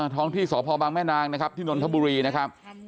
ท้องที่สบแม่นางที่นนทบุรีนะครับ